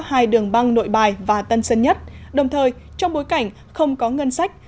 hai đường băng nội bài và tân sơn nhất đồng thời trong bối cảnh không có ngân sách